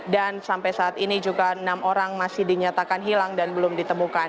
dan sampai saat ini juga enam orang masih dinyatakan hilang dan belum ditemukan